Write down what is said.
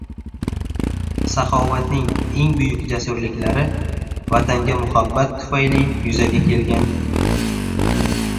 Saxovatning eng buyuk jasurliklari vatanga muhabbat tufayli yuzaga kelgan.